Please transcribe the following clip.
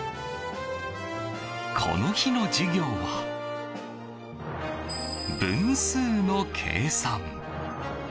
この日の授業は分数の計算。